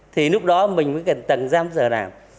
thì lúc đó mình mới cần tầng giam giờ làm